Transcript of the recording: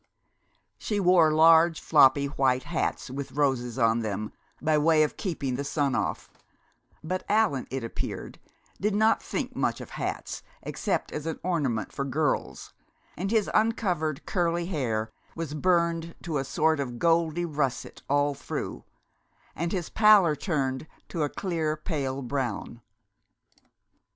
She wore large, floppy white hats with roses on them, by way of keeping the sun off; but Allan, it appeared, did not think much of hats except as an ornament for girls, and his uncovered curly hair was burned to a sort of goldy russet all through, and his pallor turned to a clear pale brown.